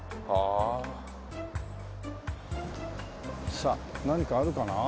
さあ何かあるかな？